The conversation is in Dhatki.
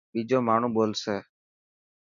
ٻيجو ماڻهو ٻولسي.